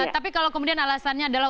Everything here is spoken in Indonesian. tapi kalau kemudian alasannya adalah